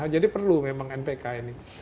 jadi perlu memang npk ini